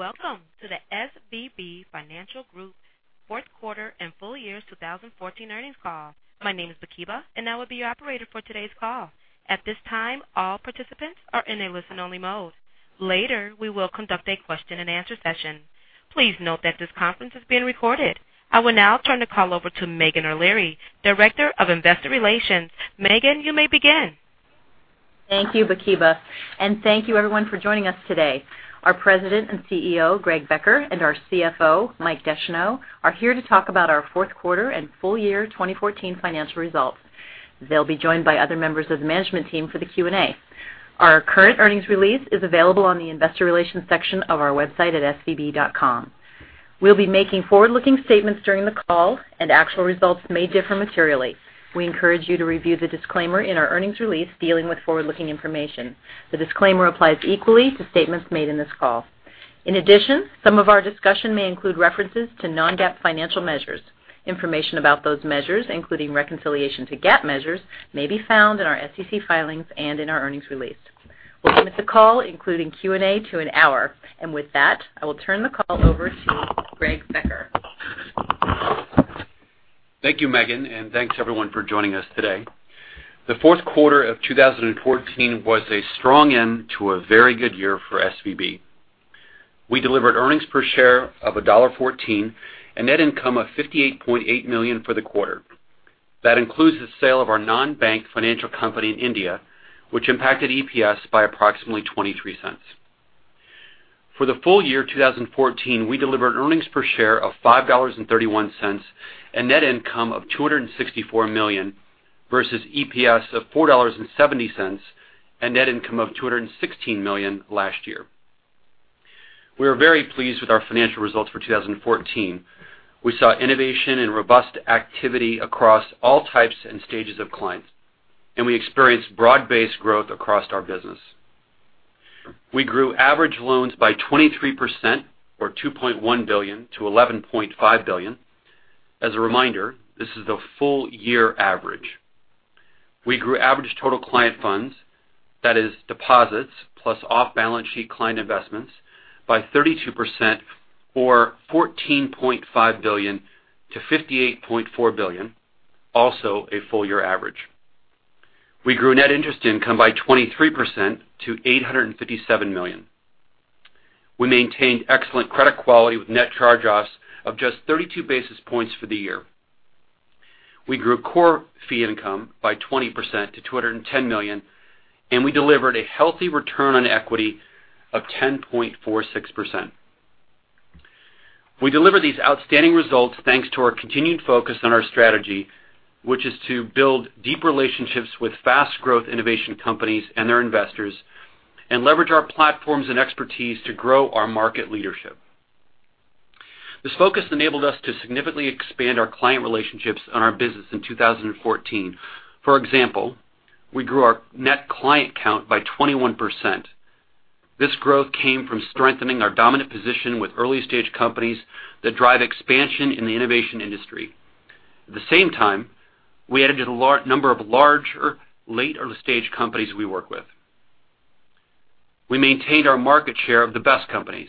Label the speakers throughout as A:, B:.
A: Welcome to the SVB Financial Group fourth quarter and full year 2014 earnings call. My name is Bakiba, and I will be your operator for today's call. At this time, all participants are in a listen-only mode. Later, we will conduct a question and answer session. Please note that this conference is being recorded. I will now turn the call over to Meghan O'Leary, Director of Investor Relations. Meghan, you may begin.
B: Thank you, Bakiba, thank you everyone for joining us today. Our President and CEO, Greg Becker, and our CFO, Mike Descheneaux, are here to talk about our fourth quarter and full year 2014 financial results. They will be joined by other members of the management team for the Q&A. Our current earnings release is available on the investor relations section of our website at svb.com. We will be making forward-looking statements during the call, actual results may differ materially. We encourage you to review the disclaimer in our earnings release dealing with forward-looking information. The disclaimer applies equally to statements made in this call. In addition, some of our discussion may include references to non-GAAP financial measures. Information about those measures, including reconciliation to GAAP measures, may be found in our SEC filings and in our earnings release. We will limit the call, including Q&A, to an hour. With that, I will turn the call over to Greg Becker.
C: Thank you, Meghan, thanks everyone for joining us today. The fourth quarter of 2014 was a strong end to a very good year for SVB. We delivered earnings per share of $1.14 and net income of $58.8 million for the quarter. That includes the sale of our non-bank financial company in India, which impacted EPS by approximately $0.23. For the full year 2014, we delivered earnings per share of $5.31 and net income of $264 million versus EPS of $4.70 and net income of $216 million last year. We are very pleased with our financial results for 2014. We saw innovation and robust activity across all types and stages of clients, we experienced broad-based growth across our business. We grew average loans by 23%, or $2.1 billion-$11.5 billion. As a reminder, this is the full year average. We grew average total client funds, that is deposits plus off-balance-sheet client investments, by 32%, or $14.5 billion to $58.4 billion, also a full year average. We grew net interest income by 23% to $857 million. We maintained excellent credit quality with net charge-offs of just 32 basis points for the year. We grew core fee income by 20% to $210 million. We delivered a healthy return on equity of 10.46%. We delivered these outstanding results thanks to our continued focus on our strategy, which is to build deep relationships with fast growth innovation companies and their investors and leverage our platforms and expertise to grow our market leadership. This focus enabled us to significantly expand our client relationships and our business in 2014. For example, we grew our net client count by 21%. This growth came from strengthening our dominant position with early-stage companies that drive expansion in the innovation industry. At the same time, we added a number of larger, later-stage companies we work with. We maintained our market share of the best companies.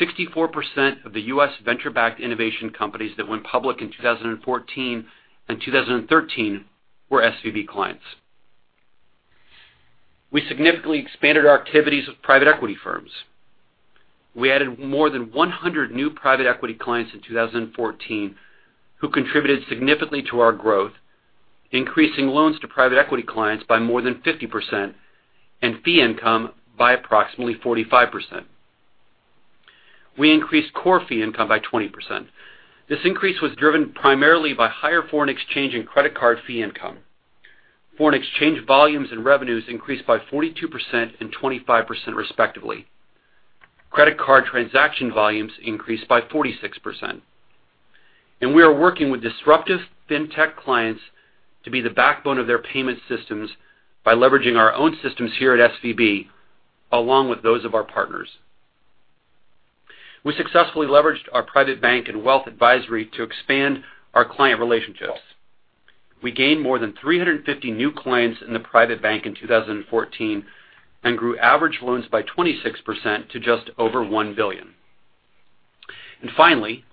C: 64% of the U.S. venture-backed innovation companies that went public in 2014 and 2013 were SVB clients. We significantly expanded our activities with private equity firms. We added more than 100 new private equity clients in 2014 who contributed significantly to our growth, increasing loans to private equity clients by more than 50% and fee income by approximately 45%. We increased core fee income by 20%. This increase was driven primarily by higher foreign exchange and credit card fee income. Foreign exchange volumes and revenues increased by 42% and 25%, respectively. Credit card transaction volumes increased by 46%. We are working with disruptive fintech clients to be the backbone of their payment systems by leveraging our own systems here at SVB, along with those of our partners. We successfully leveraged our private bank and wealth advisory to expand our client relationships. We gained more than 350 new clients in the private bank in 2014 and grew average loans by 26% to just over $1 billion. Finally,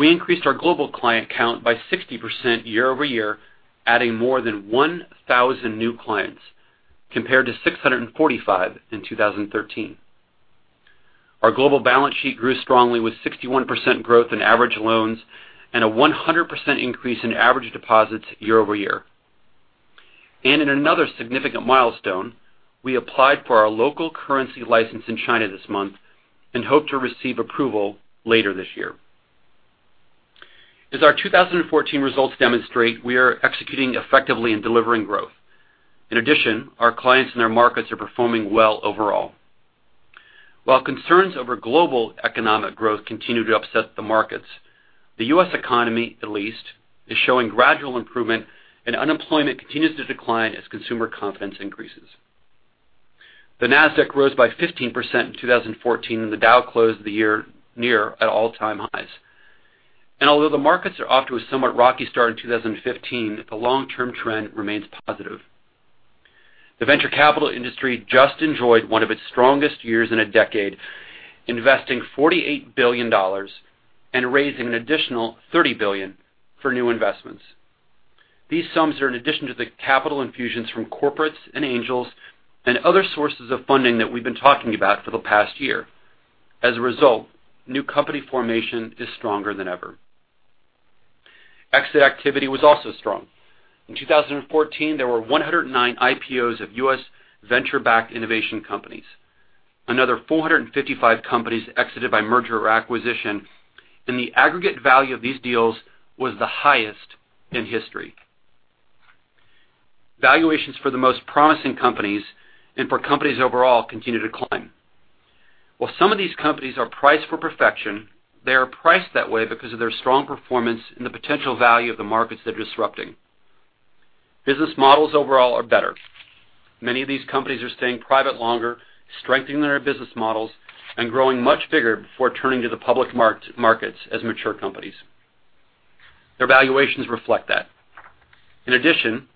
C: we increased our global client count by 60% year-over-year, adding more than 1,000 new clients, compared to 645 in 2013. Our global balance sheet grew strongly with 61% growth in average loans and a 100% increase in average deposits year-over-year. In another significant milestone, we applied for our local currency license in China this month and hope to receive approval later this year. As our 2014 results demonstrate, we are executing effectively and delivering growth. In addition, our clients and their markets are performing well overall. While concerns over global economic growth continue to upset the markets, the U.S. economy, at least, is showing gradual improvement. Unemployment continues to decline as consumer confidence increases. The NASDAQ rose by 15% in 2014. The Dow closed the year near all-time highs. Although the markets are off to a somewhat rocky start in 2015, the long-term trend remains positive. The venture capital industry just enjoyed one of its strongest years in a decade, investing $48 billion and raising an additional $30 billion for new investments. These sums are in addition to the capital infusions from corporates and angels and other sources of funding that we've been talking about for the past year. As a result, new company formation is stronger than ever. Exit activity was also strong. In 2014, there were 109 IPOs of U.S. venture-backed innovation companies. Another 455 companies exited by merger or acquisition, and the aggregate value of these deals was the highest in history. Valuations for the most promising companies and for companies overall continue to climb. While some of these companies are priced for perfection, they are priced that way because of their strong performance and the potential value of the markets they're disrupting. Business models overall are better. Many of these companies are staying private longer, strengthening their business models, and growing much bigger before turning to the public markets as mature companies. Their valuations reflect that. In addition,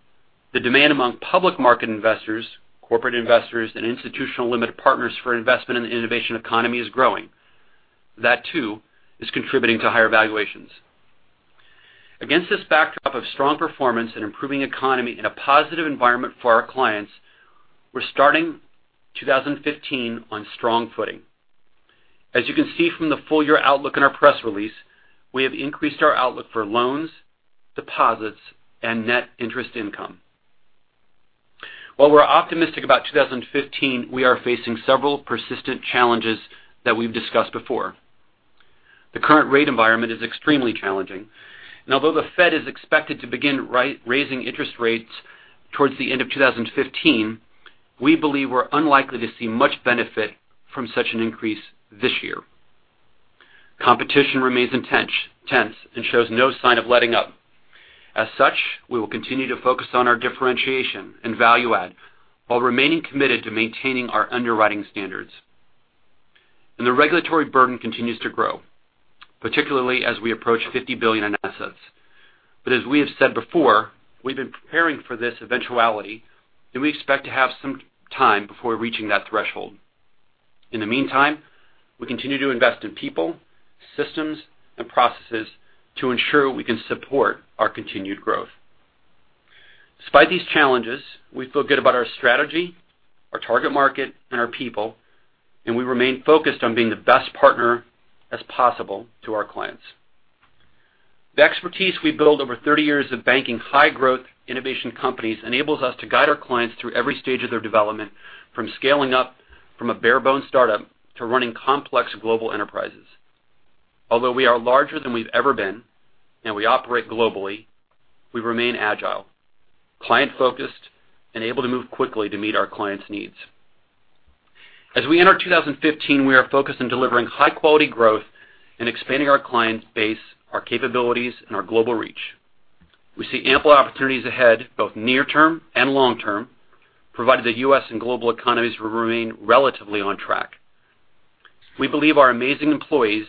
C: the demand among public market investors, corporate investors, and institutional limited partners for investment in the innovation economy is growing. That too is contributing to higher valuations. Against this backdrop of strong performance and improving economy and a positive environment for our clients, we're starting 2015 on strong footing. As you can see from the full year outlook in our press release, we have increased our outlook for loans, deposits, and net interest income. While we're optimistic about 2015, we are facing several persistent challenges that we've discussed before. The current rate environment is extremely challenging, and although the Fed is expected to begin raising interest rates towards the end of 2015, we believe we're unlikely to see much benefit from such an increase this year. Competition remains intense and shows no sign of letting up. As such, we will continue to focus on our differentiation and value add while remaining committed to maintaining our underwriting standards. The regulatory burden continues to grow, particularly as we approach $50 billion in assets. As we have said before, we've been preparing for this eventuality, and we expect to have some time before reaching that threshold. In the meantime, we continue to invest in people, systems, and processes to ensure we can support our continued growth. Despite these challenges, we feel good about our strategy, our target market, and our people, and we remain focused on being the best partner as possible to our clients. The expertise we built over 30 years of banking high growth innovation companies enables us to guide our clients through every stage of their development, from scaling up from a bare bone startup to running complex global enterprises. Although we are larger than we've ever been and we operate globally, we remain agile, client-focused, and able to move quickly to meet our clients' needs. As we enter 2015, we are focused on delivering high-quality growth and expanding our client base, our capabilities, and our global reach. We see ample opportunities ahead, both near-term and long-term, provided the U.S. and global economies will remain relatively on track. We believe our amazing employees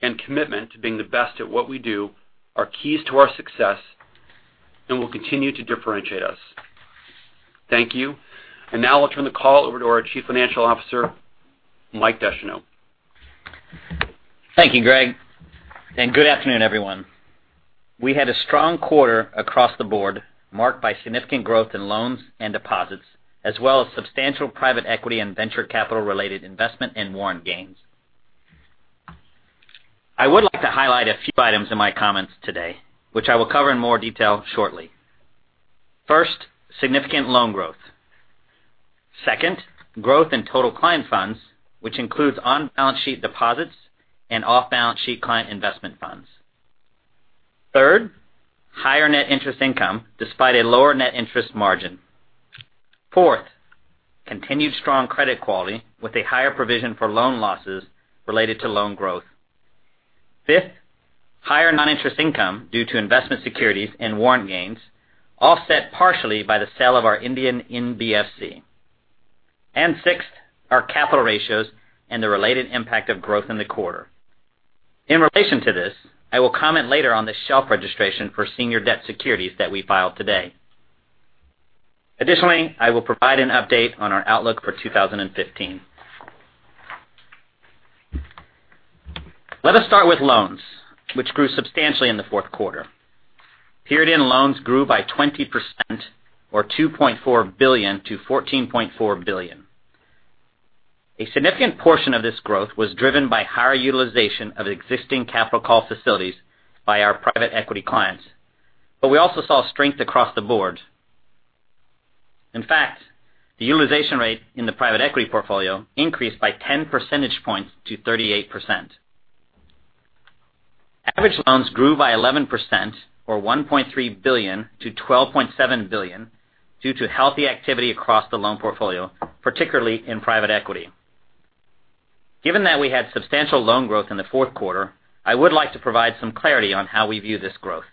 C: and commitment to being the best at what we do are keys to our success and will continue to differentiate us. Thank you. Now I'll turn the call over to our Chief Financial Officer, Mike Descheneaux.
D: Thank you, Greg. Good afternoon, everyone. We had a strong quarter across the board, marked by significant growth in loans and deposits, as well as substantial private equity and venture capital related investment and warrant gains. I would like to highlight a few items in my comments today, which I will cover in more detail shortly. First, significant loan growth. Second, growth in total client funds, which includes on-balance sheet deposits and off-balance sheet client investment funds. Third, higher net interest income despite a lower net interest margin. Fourth, continued strong credit quality with a higher provision for loan losses related to loan growth. Fifth, higher non-interest income due to investment securities and warrant gains, offset partially by the sale of our Indian NBFC. Sixth, our capital ratios and the related impact of growth in the quarter. In relation to this, I will comment later on the shelf registration for senior debt securities that we filed today. Additionally, I will provide an update on our outlook for 2015. Let us start with loans, which grew substantially in the fourth quarter. Period end loans grew by 20%, or $2.4 billion to $14.4 billion. A significant portion of this growth was driven by higher utilization of existing capital call facilities by our private equity clients, but we also saw strength across the board. In fact, the utilization rate in the private equity portfolio increased by 10 percentage points to 38%. Average loans grew by 11%, or $1.3 billion to $12.7 billion, due to healthy activity across the loan portfolio, particularly in private equity. Given that we had substantial loan growth in the fourth quarter, I would like to provide some clarity on how we view this growth.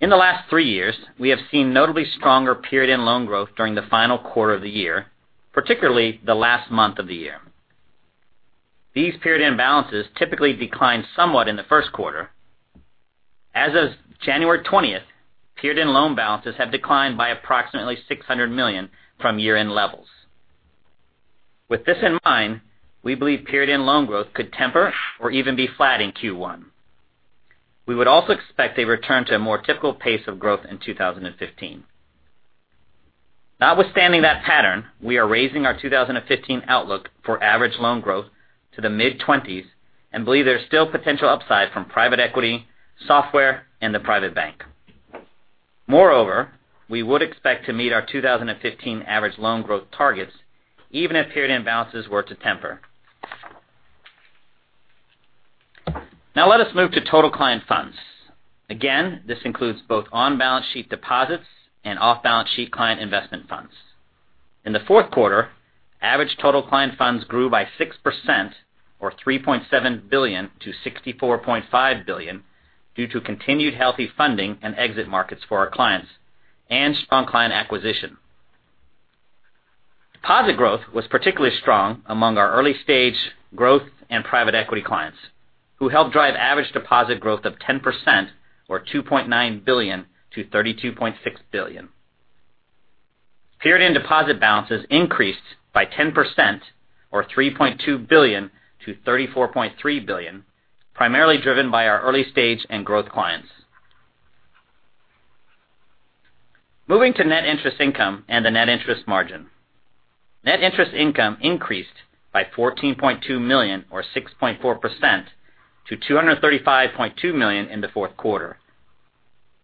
D: In the last three years, we have seen notably stronger period end loan growth during the final quarter of the year, particularly the last month of the year. These period-end balances typically decline somewhat in the first quarter. As of January 20th, period-end loan balances have declined by approximately $600 million from year-end levels. With this in mind, we believe period-end loan growth could temper or even be flat in Q1. We would also expect a return to a more typical pace of growth in 2015. Notwithstanding that pattern, we are raising our 2015 outlook for average loan growth to the mid-20s and believe there's still potential upside from private equity, software, and the private bank. Moreover, we would expect to meet our 2015 average loan growth targets even if period-end balances were to temper. Now let us move to total client funds. Again, this includes both on-balance sheet deposits and off-balance sheet client investment funds. In the fourth quarter, average total client funds grew by 6% or $3.7 billion to $64.5 billion due to continued healthy funding and exit markets for our clients and strong client acquisition. Deposit growth was particularly strong among our early stage growth and private equity clients, who helped drive average deposit growth of 10% or $2.9 billion to $32.6 billion. Period-end deposit balances increased by 10% or $3.2 billion to $34.3 billion, primarily driven by our early stage and growth clients. Moving to net interest income and the net interest margin. Net interest income increased by $14.2 million or 6.4% to $235.2 million in the fourth quarter.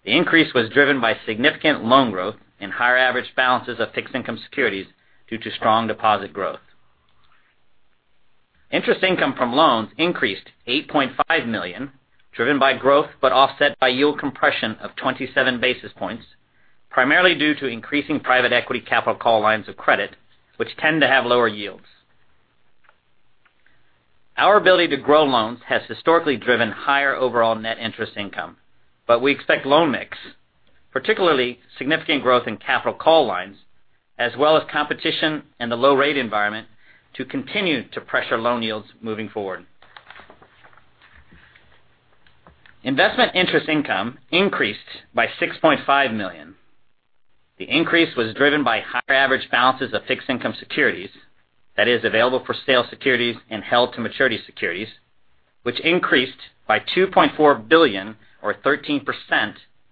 D: The increase was driven by significant loan growth and higher average balances of fixed-income securities due to strong deposit growth. Interest income from loans increased $8.5 million, driven by growth, but offset by yield compression of 27 basis points, primarily due to increasing private equity capital call lines of credit, which tend to have lower yields. Our ability to grow loans has historically driven higher overall net interest income, but we expect loan mix, particularly significant growth in capital call lines, as well as competition and the low rate environment, to continue to pressure loan yields moving forward. Investment interest income increased by $6.5 million. The increase was driven by higher average balances of fixed-income securities, that is available-for-sale securities and held-to-maturity securities, which increased by $2.4 billion or 13%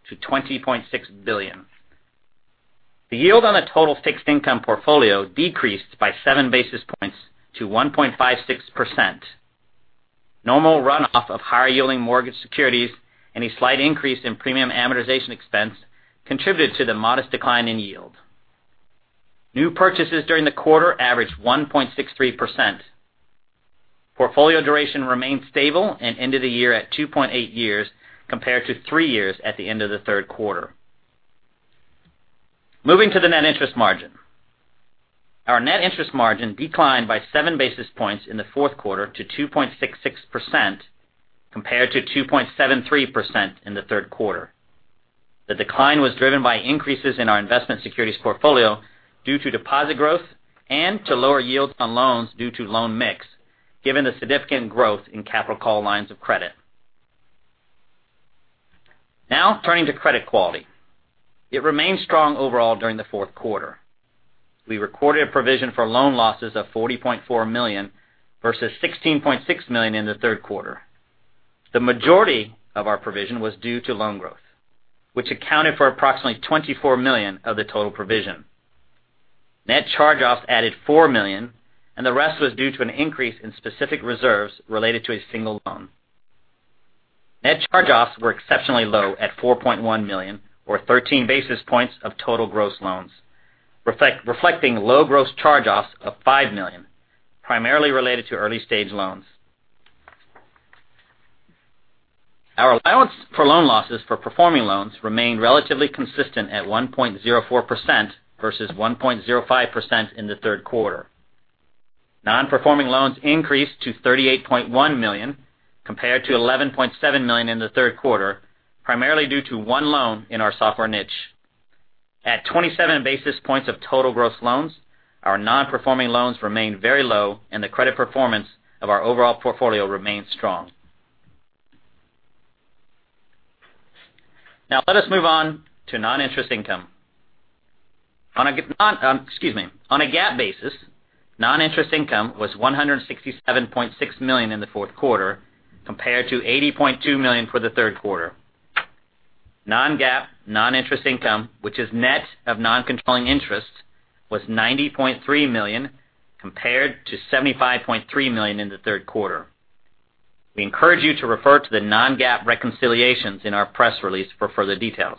D: to $20.6 billion. The yield on the total fixed-income portfolio decreased by seven basis points to 1.56%. Normal runoff of higher-yielding mortgage securities and a slight increase in premium amortization expense contributed to the modest decline in yield. New purchases during the quarter averaged 1.63%. Portfolio duration remained stable and ended the year at 2.8 years, compared to three years at the end of the third quarter. Moving to the net interest margin. Our net interest margin declined by seven basis points in the fourth quarter to 2.66%, compared to 2.73% in the third quarter. The decline was driven by increases in our investment securities portfolio due to deposit growth and to lower yields on loans due to loan mix, given the significant growth in capital call lines of credit. Now turning to credit quality. It remained strong overall during the fourth quarter. We recorded a provision for loan losses of $40.4 million, versus $16.6 million in the third quarter. The majority of our provision was due to loan growth, which accounted for approximately $24 million of the total provision. Net charge-offs added $4 million, and the rest was due to an increase in specific reserves related to a single loan. Net charge-offs were exceptionally low at $4.1 million or 13 basis points of total gross loans, reflecting low gross charge-offs of $5 million, primarily related to early-stage loans. Our allowance for loan losses for performing loans remained relatively consistent at 1.04% versus 1.05% in the third quarter. Non-performing loans increased to $38.1 million, compared to $11.7 million in the third quarter, primarily due to one loan in our software niche. At 27 basis points of total gross loans, our non-performing loans remained very low and the credit performance of our overall portfolio remained strong. Now let us move on to non-interest income. On a GAAP basis, non-interest income was $167.6 million in the fourth quarter, compared to $80.2 million for the third quarter. Non-GAAP non-interest income, which is net of non-controlling interests, was $90.3 million compared to $75.3 million in the third quarter. We encourage you to refer to the non-GAAP reconciliations in our press release for further details.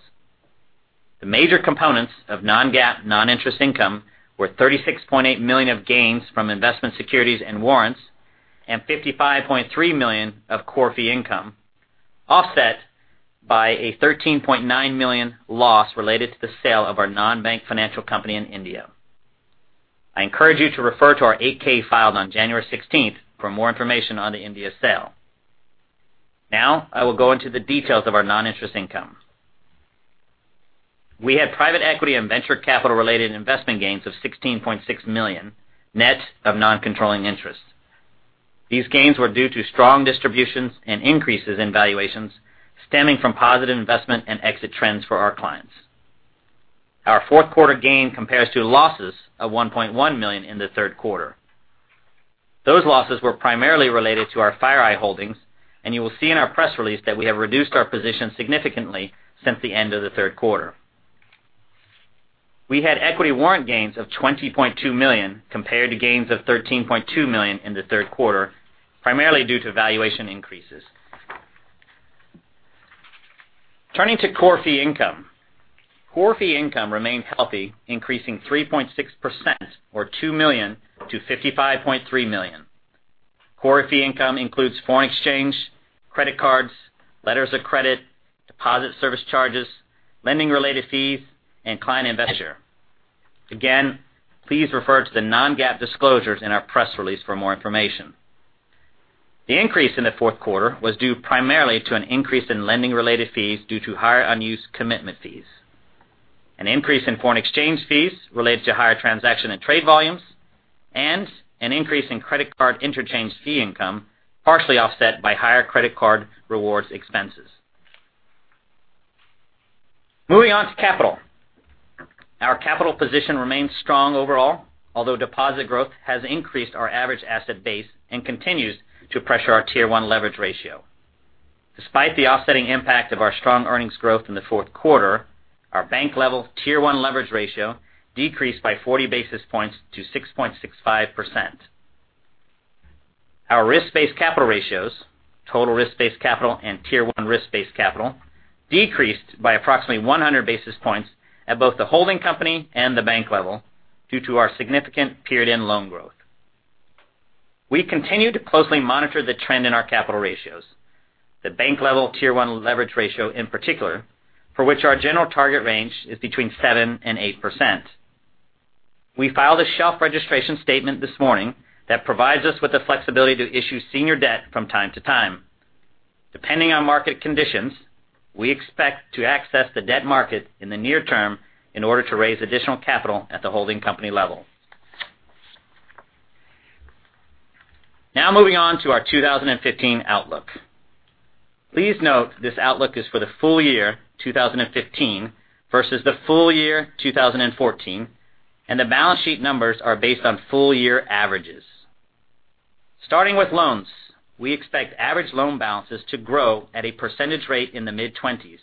D: The major components of non-GAAP non-interest income were $36.8 million of gains from investment securities and warrants and $55.3 million of core fee income, offset by a $13.9 million loss related to the sale of our non-bank financial company in India. I encourage you to refer to our 8-K filed on January 16th for more information on the India sale. Now I will go into the details of our non-interest income. We had private equity and venture capital related investment gains of $16.6 million, net of non-controlling interests. These gains were due to strong distributions and increases in valuations stemming from positive investment and exit trends for our clients. Our fourth quarter gain compares to losses of $1.1 million in the third quarter. Those losses were primarily related to our FireEye holdings, and you will see in our press release that we have reduced our position significantly since the end of the third quarter. We had equity warrant gains of $20.2 million compared to gains of $13.2 million in the third quarter, primarily due to valuation increases. Turning to core fee income. Core fee income remained healthy, increasing 3.6% or $2 million to $55.3 million. Core fee income includes foreign exchange, credit cards, letters of credit, deposit service charges, lending related fees, and client investment. Again, please refer to the non-GAAP disclosures in our press release for more information. The increase in the fourth quarter was due primarily to an increase in lending related fees due to higher unused commitment fees. An increase in foreign exchange fees related to higher transaction and trade volumes, and an increase in credit card interchange fee income, partially offset by higher credit card rewards expenses. Moving on to capital. Our capital position remains strong overall, although deposit growth has increased our average asset base and continues to pressure our Tier 1 leverage ratio. Despite the offsetting impact of our strong earnings growth in the fourth quarter, our bank level Tier 1 leverage ratio decreased by 40 basis points to 6.65%. Our risk-based capital ratios, total risk-based capital and Tier 1 risk-based capital, decreased by approximately 100 basis points at both the holding company and the bank level due to our significant period-end loan growth. We continue to closely monitor the trend in our capital ratios. The bank level Tier 1 leverage ratio in particular, for which our general target range is between 7%-8%. We filed a shelf registration statement this morning that provides us with the flexibility to issue senior debt from time to time. Depending on market conditions, we expect to access the debt market in the near term in order to raise additional capital at the holding company level. Moving on to our 2015 outlook. Please note this outlook is for the full year 2015 versus the full year 2014, and the balance sheet numbers are based on full year averages. Starting with loans, we expect average loan balances to grow at a percentage rate in the mid-20s,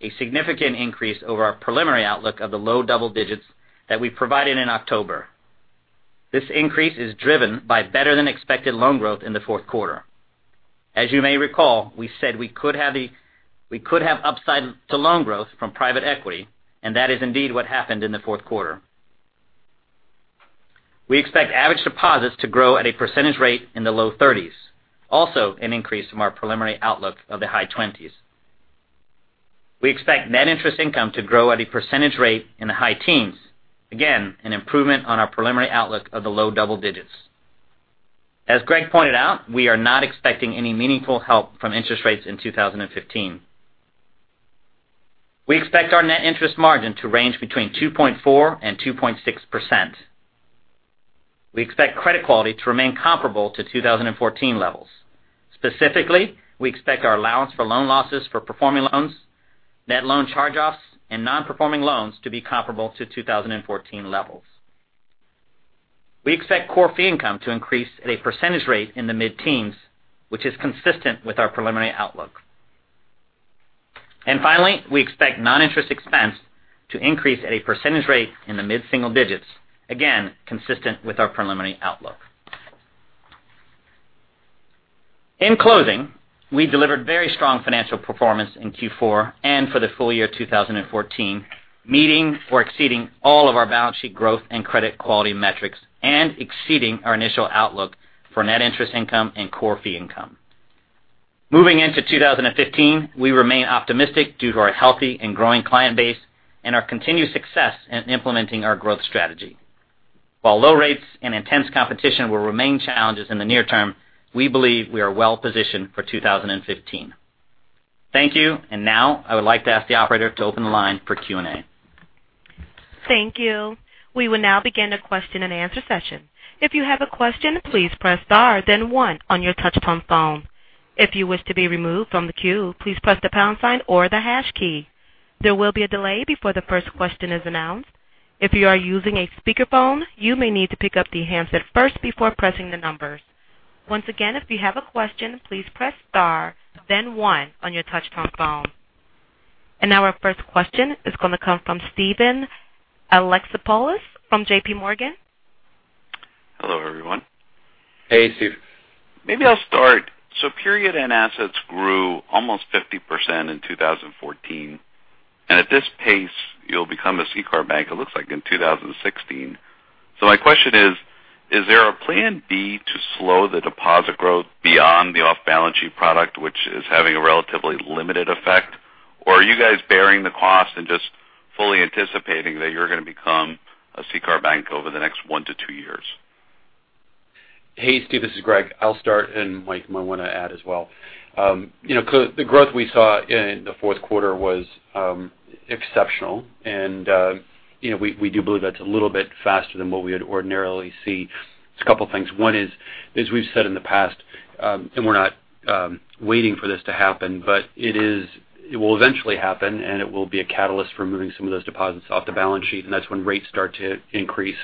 D: a significant increase over our preliminary outlook of the low double digits that we provided in October. This increase is driven by better than expected loan growth in the fourth quarter. As you may recall, we said we could have upside to loan growth from private equity, and that is indeed what happened in the fourth quarter. We expect average deposits to grow at a percentage rate in the low 30s, also an increase from our preliminary outlook of the high 20s. We expect net interest income to grow at a percentage rate in the high teens. Again, an improvement on our preliminary outlook of the low double digits. As Greg pointed out, we are not expecting any meaningful help from interest rates in 2015. We expect our net interest margin to range between 2.4% and 2.6%. We expect credit quality to remain comparable to 2014 levels. Specifically, we expect our allowance for loan losses for performing loans, net loan charge-offs, and non-performing loans to be comparable to 2014 levels. Finally, we expect core fee income to increase at a percentage rate in the mid-teens, which is consistent with our preliminary outlook. We expect non-interest expense to increase at a percentage rate in the mid-single digits, again, consistent with our preliminary outlook. In closing, we delivered very strong financial performance in Q4 and for the full year 2014, meeting or exceeding all of our balance sheet growth and credit quality metrics, and exceeding our initial outlook for net interest income and core fee income. Moving into 2015, we remain optimistic due to our healthy and growing client base and our continued success in implementing our growth strategy. While low rates and intense competition will remain challenges in the near term, we believe we are well positioned for 2015. Thank you. Now I would like to ask the operator to open the line for Q&A.
A: Thank you. We will now begin the question and answer session. If you have a question, please press star then one on your touch tone phone. If you wish to be removed from the queue, please press the pound sign or the hash key. There will be a delay before the first question is announced. If you are using a speakerphone, you may need to pick up the handset first before pressing the numbers. Once again, if you have a question, please press star, then one on your touch tone phone. Now our first question is going to come from Steven Alexopoulos from JPMorgan.
E: Hello, everyone.
C: Hey, Steve.
E: Period end assets grew almost 50% in 2014, at this pace, you'll become a CCAR bank, it looks like in 2016. My question is there a plan B to slow the deposit growth beyond the off-balance sheet product, which is having a relatively limited effect? Are you guys bearing the cost and just fully anticipating that you're going to become a CCAR bank over the next one to two years?
C: Hey, Steve, this is Greg. I'll start. Mike might want to add as well. The growth we saw in the fourth quarter was exceptional. We do believe that's a little bit faster than what we would ordinarily see. It's a couple things. One is, as we've said in the past, we're not waiting for this to happen, it will eventually happen, it will be a catalyst for moving some of those deposits off the balance sheet, that's when rates start to increase.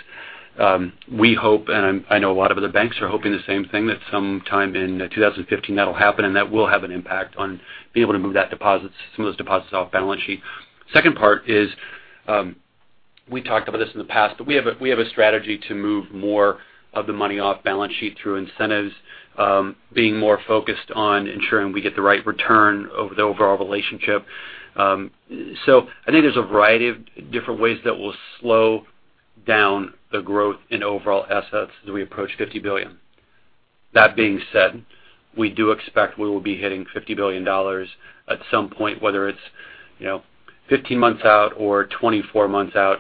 C: We hope, I know a lot of other banks are hoping the same thing, that sometime in 2015 that'll happen, that will have an impact on being able to move some of those deposits off balance sheet. Second part is, we talked about this in the past, we have a strategy to move more of the money off balance sheet through incentives, being more focused on ensuring we get the right return of the overall relationship. I think there's a variety of different ways that will slow down the growth in overall assets as we approach $50 billion. That being said, we do expect we will be hitting $50 billion at some point, whether it's 15 months out or 24 months out.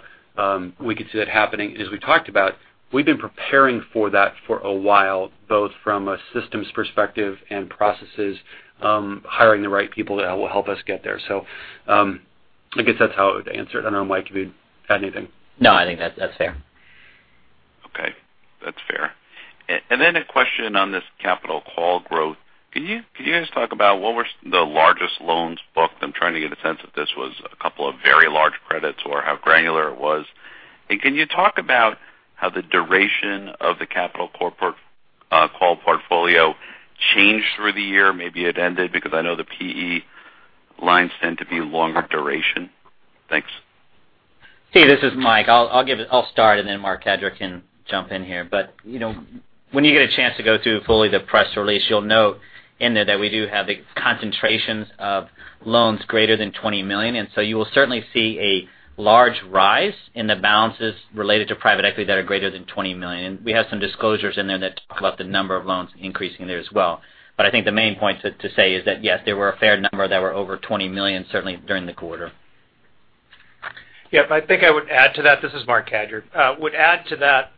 C: We could see that happening. As we talked about, we've been preparing for that for a while, both from a systems perspective and processes, hiring the right people that will help us get there. I guess that's how I would answer it. I don't know, Mike, if you'd add anything.
D: No, I think that's fair.
E: Okay. That's fair. A question on this capital call growth. Can you guys talk about what were the largest loans booked? I'm trying to get a sense if this was a couple of very large credits or how granular it was. Can you talk about how the duration of the capital call portfolio changed through the year? Maybe it ended because I know the PE lines tend to be longer duration. Thanks.
D: Steve, this is Mike. I'll start and then Marc Cadieux can jump in here. When you get a chance to go through fully the press release, you'll note in there that we do have the concentrations of loans greater than $20 million. You will certainly see a large rise in the balances related to private equity that are greater than $20 million. We have some disclosures in there that talk about the number of loans increasing there as well. I think the main point to say is that, yes, there were a fair number that were over $20 million, certainly during the quarter.
F: Yep. I think I would add to that. This is Marc Cadieux. I would add to that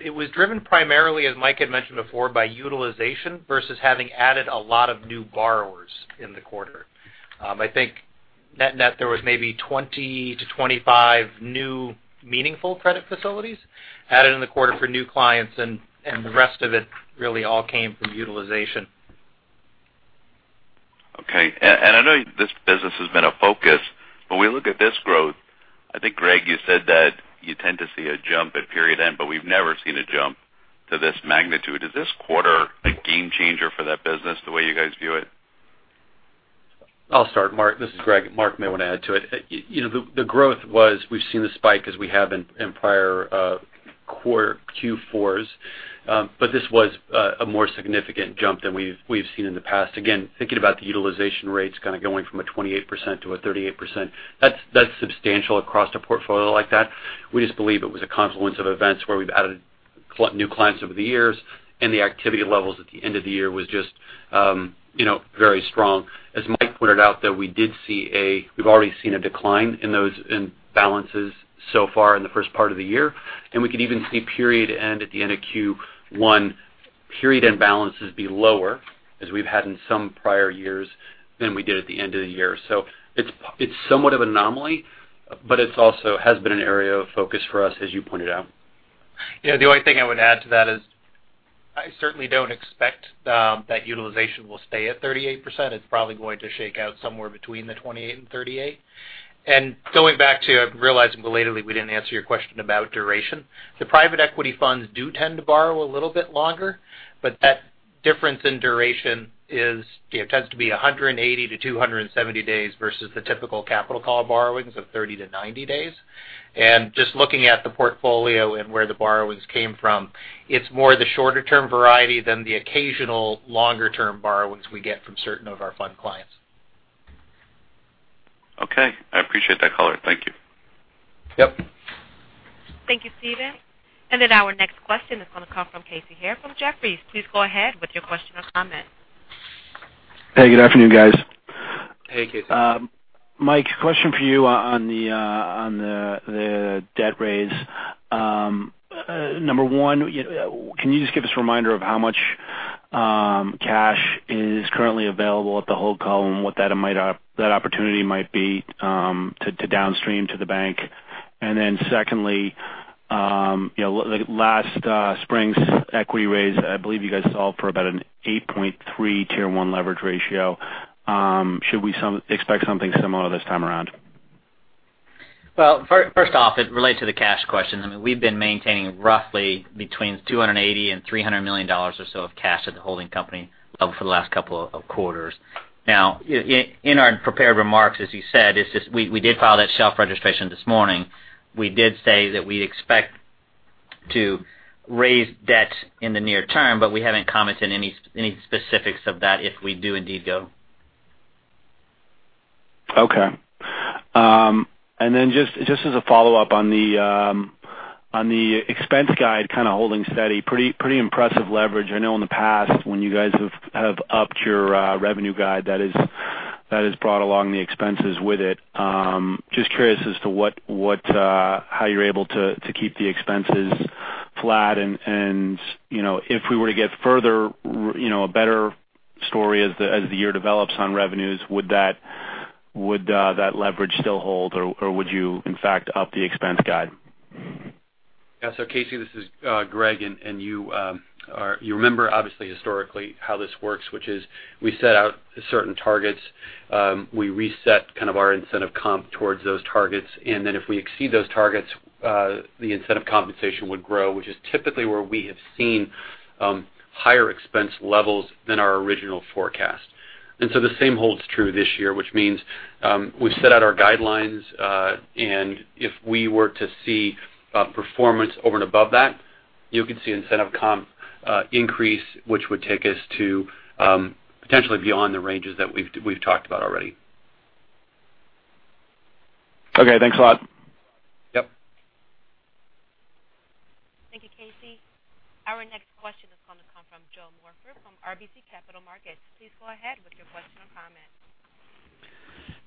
F: it was driven primarily, as Mike had mentioned before, by utilization versus having added a lot of new borrowers in the quarter. I think net, there was maybe 20-25 new meaningful credit facilities added in the quarter for new clients, the rest of it really all came from utilization.
E: Okay. I know this business has been a focus, but when we look at this growth, I think, Greg, you said that you tend to see a jump at period end, but we've never seen a jump to this magnitude. Is this quarter a game changer for that business the way you guys view it?
C: I'll start, Marc. This is Greg. Marc may want to add to it. The growth was, we've seen the spike as we have in prior Q4s. This was a more significant jump than we've seen in the past. Again, thinking about the utilization rates kind of going from a 28%-38%, that's substantial across a portfolio like that. We just believe it was a confluence of events where we've added new clients over the years, and the activity levels at the end of the year was just very strong. As Mike pointed out, though, we've already seen a decline in balances so far in the first part of the year, and we could even see period end at the end of Q1, period end balances be lower as we've had in some prior years than we did at the end of the year. It's somewhat of anomaly, but it also has been an area of focus for us, as you pointed out.
F: Yeah, the only thing I would add to that is I certainly don't expect that utilization will stay at 38%. It's probably going to shake out somewhere between the 28 and 38. Going back to realizing belatedly we didn't answer your question about duration. The private equity funds do tend to borrow a little bit longer, but that difference in duration tends to be 180-270 days versus the typical capital call borrowings of 30-90 days. Just looking at the portfolio and where the borrowings came from, it's more the shorter term variety than the occasional longer term borrowings we get from certain of our fund clients.
E: Okay. I appreciate that color. Thank you.
F: Yep.
A: Thank you, Steven. Our next question is going to come from Casey Haire from Jefferies. Please go ahead with your question or comment.
G: Hey, good afternoon, guys.
C: Hey, Casey.
G: Mike, question for you on the debt raise. Number one, can you just give us a reminder of how much cash is currently available at the hold co and what that opportunity might be to downstream to the bank? Secondly, last spring's equity raise, I believe you guys solved for about an 8.3 Tier 1 leverage ratio. Should we expect something similar this time around?
D: Well, first off, it relates to the cash question. I mean, we've been maintaining roughly between $280 million and $300 million or so of cash at the holding company level for the last couple of quarters. In our prepared remarks, as you said, we did file that shelf registration this morning. We did say that we expect to raise debt in the near term, we haven't commented any specifics of that if we do indeed go.
G: Okay. Just as a follow-up on the expense guide kind of holding steady, pretty impressive leverage. I know in the past when you guys have upped your revenue guide, That has brought along the expenses with it. Just curious as to how you're able to keep the expenses flat and, if we were to get further, a better story as the year develops on revenues, would that leverage still hold, or would you, in fact, up the expense guide?
C: Yeah. Casey, this is Greg, you remember obviously historically how this works, which is we set out certain targets. We reset kind of our incentive comp towards those targets, if we exceed those targets, the incentive compensation would grow, which is typically where we have seen higher expense levels than our original forecast. The same holds true this year, which means, we've set out our guidelines, if we were to see performance over and above that, you could see incentive comp increase, which would take us to potentially beyond the ranges that we've talked about already.
G: Okay. Thanks a lot.
C: Yep.
A: Thank you, Casey. Our next question is going to come from Joe Morford from RBC Capital Markets. Please go ahead with your question or comment.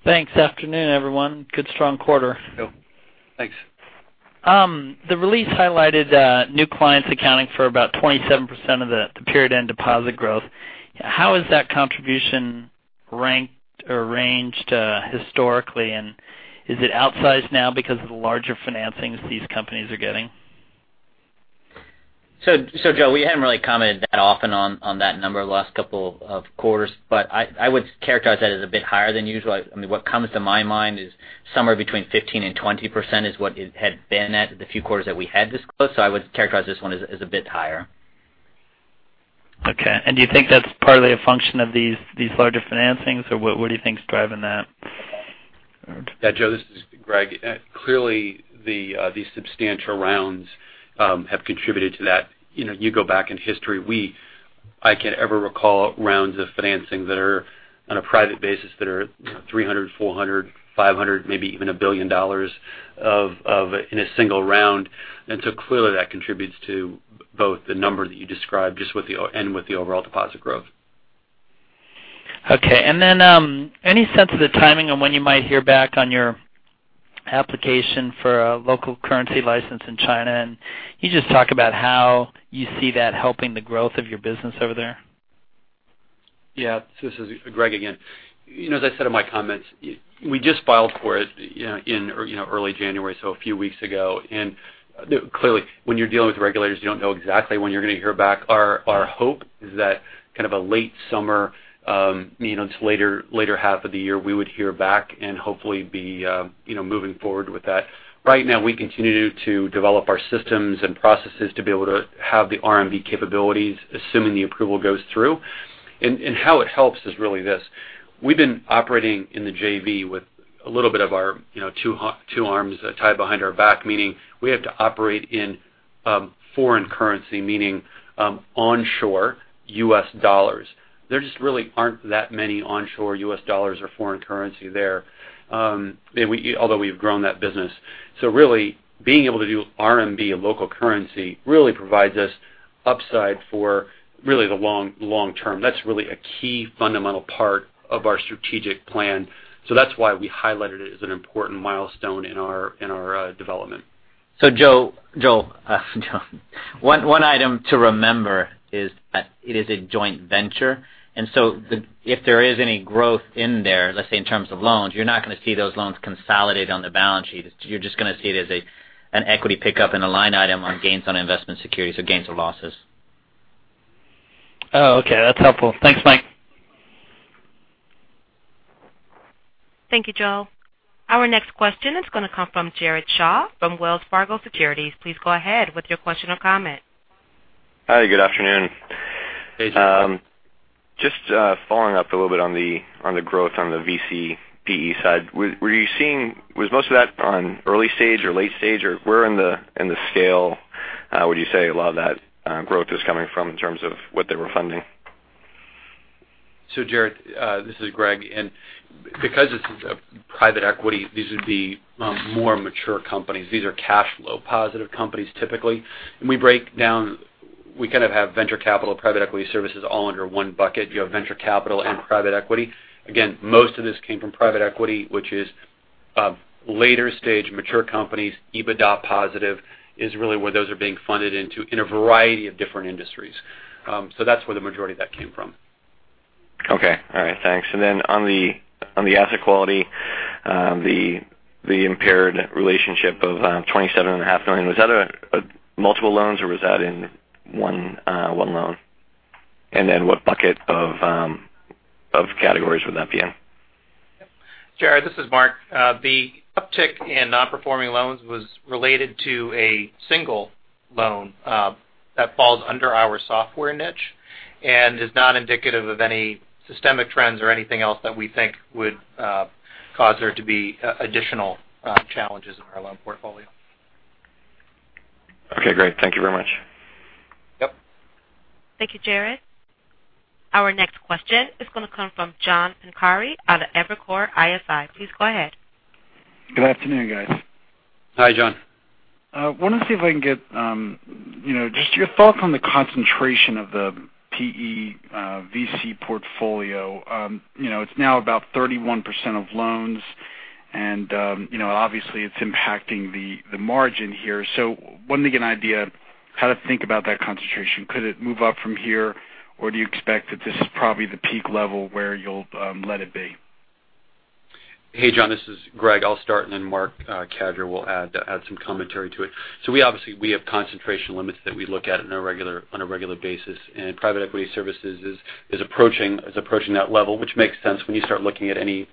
H: Thanks. Afternoon, everyone. Good strong quarter.
C: Joe, thanks.
H: The release highlighted new clients accounting for about 27% of the period-end deposit growth. How has that contribution ranked or ranged historically, and is it outsized now because of the larger financings these companies are getting?
D: Joe, we haven't really commented that often on that number the last couple of quarters, but I would characterize that as a bit higher than usual. I mean, what comes to my mind is somewhere between 15%-20% is what it had been at the few quarters that we had this close. I would characterize this one as a bit higher.
H: Okay. Do you think that's partly a function of these larger financings, or what do you think is driving that?
C: Yeah, Joe, this is Greg. Clearly, these substantial rounds have contributed to that. You go back in history, I can't ever recall rounds of financing that are on a private basis that are 300, 400, 500, maybe even $1 billion in a single round. Clearly that contributes to both the number that you described and with the overall deposit growth.
H: Okay. Any sense of the timing on when you might hear back on your application for a local currency license in China? Can you just talk about how you see that helping the growth of your business over there?
C: Yeah. This is Greg again. As I said in my comments, we just filed for it in early January, so a few weeks ago. Clearly, when you're dealing with regulators, you don't know exactly when you're going to hear back. Our hope is that kind of a late summer, it's later half of the year, we would hear back and hopefully be moving forward with that. Right now, we continue to develop our systems and processes to be able to have the RMB capabilities, assuming the approval goes through. How it helps is really this. We've been operating in the JV with a little bit of our two arms tied behind our back, meaning we have to operate in foreign currency, meaning onshore U.S. dollars. There just really aren't that many onshore U.S. dollars or foreign currency there. Although we've grown that business. Really being able to do RMB and local currency really provides us upside for really the long term. That's really a key fundamental part of our strategic plan. That's why we highlighted it as an important milestone in our development.
D: Joe, one item to remember is that it is a joint venture. If there is any growth in there, let's say in terms of loans, you're not going to see those loans consolidate on the balance sheet. You're just going to see it as an equity pickup and a line item on gains on investment securities or gains or losses.
H: Oh, okay. That's helpful. Thanks, Mike.
A: Thank you, Joe. Our next question is going to come from Jared Shaw from Wells Fargo Securities. Please go ahead with your question or comment.
I: Hi. Good afternoon.
C: Hey, Jared.
I: Just following up a little bit on the growth on the VC PE side. Was most of that on early stage or late stage, or where in the scale would you say a lot of that growth is coming from in terms of what they were funding?
C: Jared, this is Greg. Because this is a private equity, these would be more mature companies. These are cash flow positive companies typically. When we break down, we kind of have venture capital, private equity services all under one bucket. You have venture capital and private equity. Again, most of this came from private equity, which is later stage mature companies. EBITDA positive is really where those are being funded into in a variety of different industries. That's where the majority of that came from.
I: Okay. All right, thanks. Then on the asset quality, the impaired relationship of $27.5 million, was that multiple loans or was that in one loan? Then what bucket of categories would that be in?
F: Jared, this is Marc. The uptick in non-performing loans was related to a single loan that falls under our software niche and is not indicative of any systemic trends or anything else that we think would cause there to be additional challenges in our loan portfolio.
I: Okay, great. Thank you very much.
F: Yep.
A: Thank you, Jared. Our next question is going to come from John Pancari out of Evercore ISI. Please go ahead.
J: Good afternoon, guys.
C: Hi, John.
J: I want to see if I can get just your thoughts on the concentration of the PE VC portfolio. It's now about 31% of loans, and obviously it's impacting the margin here. Wanted to get an idea how to think about that concentration. Could it move up from here, or do you expect that this is probably the peak level where you'll let it be?
C: Hey, John, this is Greg. I'll start, and then Marc Cadieux will add some commentary to it. We obviously have concentration limits that we look at on a regular basis, and private equity services is approaching that level, which makes sense. When you start looking at any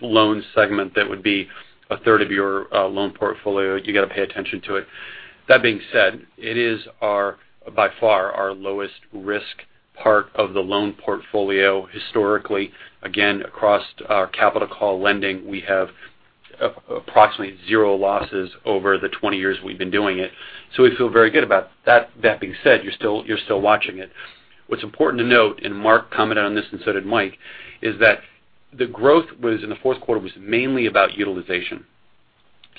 C: loan segment that would be a third of your loan portfolio, you got to pay attention to it. That being said, it is by far our lowest risk part of the loan portfolio historically. Again, across our capital call lending, we have approximately zero losses over the 20 years we've been doing it. We feel very good about that. That being said, you're still watching it. What's important to note, and Marc commented on this and so did Mike, is that the growth in the fourth quarter was mainly about utilization.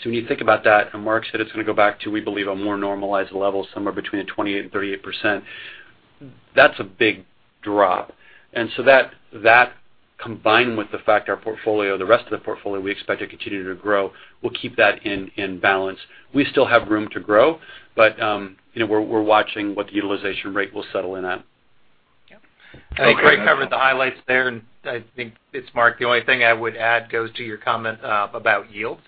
C: When you think about that, and Marc said it's going to go back to, we believe, a more normalized level, somewhere between 28% and 38%, that's a big drop. That combined with the fact our portfolio, the rest of the portfolio we expect to continue to grow, we'll keep that in balance. We still have room to grow, but we're watching what the utilization rate will settle in at.
J: Yep. Thank you.
F: I think Greg covered the highlights there. I think it's Marc. The only thing I would add goes to your comment about yields.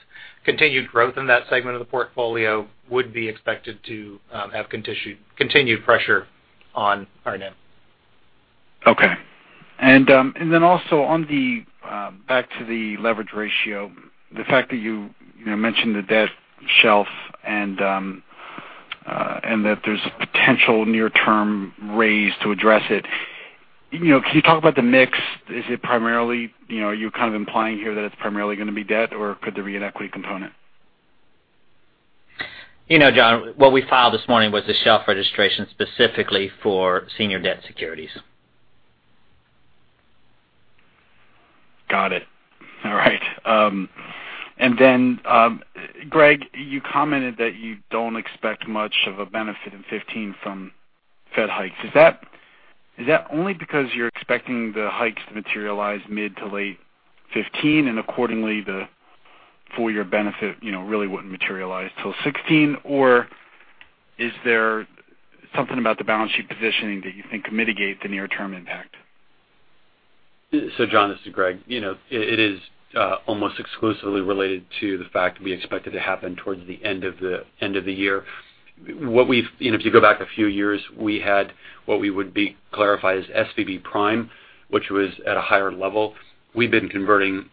F: Continued growth in that segment of the portfolio would be expected to have continued pressure on our NIM.
J: Okay. Also back to the leverage ratio, the fact that you mentioned the debt shelf and that there's a potential near-term raise to address it. Can you talk about the mix? Are you kind of implying here that it's primarily going to be debt, or could there be an equity component?
C: John, what we filed this morning was a shelf registration specifically for senior debt securities.
J: Got it. All right. Greg, you commented that you don't expect much of a benefit in 2015 from Fed hikes. Is that only because you're expecting the hikes to materialize mid-to-late 2015, and accordingly the full-year benefit really wouldn't materialize till 2016? Or is there something about the balance sheet positioning that you think could mitigate the near-term impact?
C: John, this is Greg. It is almost exclusively related to the fact that we expect it to happen towards the end of the year. If you go back a few years, we had what we would clarify as SVB Prime, which was at a higher level. We've been converting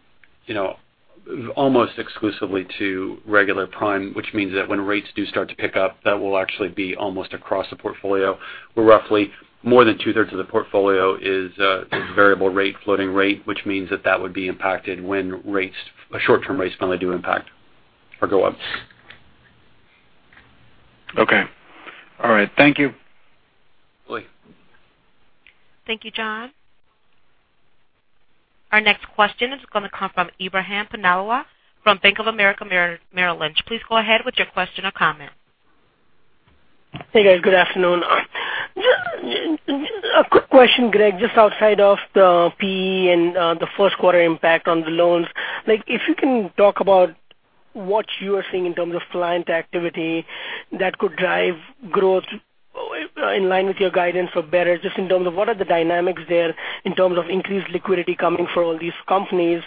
C: almost exclusively to regular prime, which means that when rates do start to pick up, that will actually be almost across the portfolio, where roughly more than two-thirds of the portfolio is variable rate, floating rate, which means that that would be impacted when short-term rates finally do impact or go up.
J: Okay. All right. Thank you.
C: Billy.
A: Thank you, John. Our next question is going to come from Ebrahim Poonawala from Bank of America Merrill Lynch. Please go ahead with your question or comment.
K: Hey, guys. Good afternoon. A quick question, Greg. Just outside of the PE and the first quarter impact on the loans, if you can talk about what you are seeing in terms of client activity that could drive growth in line with your guidance for better, just in terms of what are the dynamics there in terms of increased liquidity coming from all these companies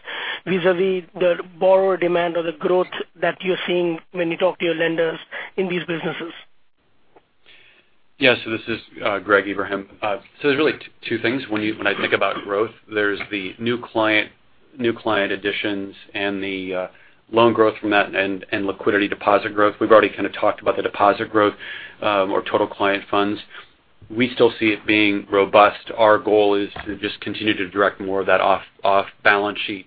K: vis-à-vis the borrower demand or the growth that you're seeing when you talk to your lenders in these businesses?
C: this is Greg Becker, Ebrahim. There's really two things when I think about growth. There's the new client additions and the loan growth from that and liquidity deposit growth. We've already kind of talked about the deposit growth or total client funds. We still see it being robust. Our goal is to just continue to direct more of that off balance sheet.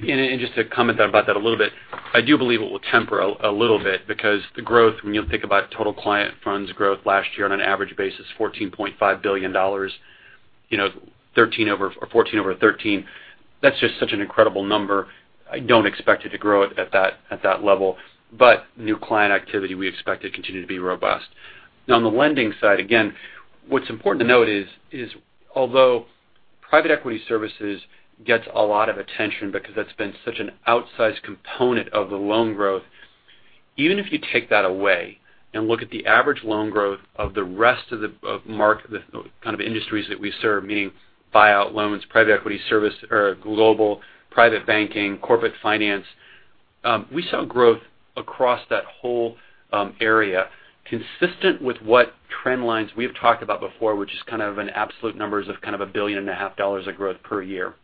C: Just to comment about that a little bit, I do believe it will temper a little bit because the growth, when you think about total client funds growth last year on an average basis, $14.5 billion, 14 over 13, that's just such an incredible number. I don't expect it to grow at that level. New client activity, we expect to continue to be robust. Now on the lending side, again, what's important to note is although private equity services gets a lot of attention because that's been such an outsized component of the loan growth, even if you take that away and look at the average loan growth of the rest of the kind of industries that we serve, meaning buyout loans, private equity services, or Global Fund Banking, corporate finance, we saw growth across that whole area consistent with what trend lines we've talked about before, which is kind of an absolute numbers of kind of a billion and a half dollars of growth per year.